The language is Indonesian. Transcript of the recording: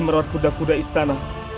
merawat kuda kuda istana